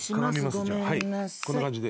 こんな感じで。